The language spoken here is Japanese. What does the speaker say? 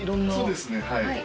そうですねはい。